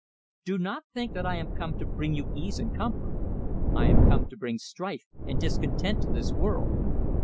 "Do not think that I am come to bring you ease and comfort; I am come to bring strife and discontent to this world.